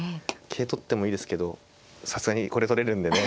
桂取ってもいいですけどさすがにこれ取れるんでね。